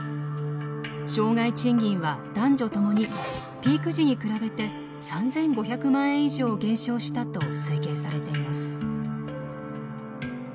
生涯賃金は男女ともにピーク時に比べて３，５００万円以上減少したと推計されています。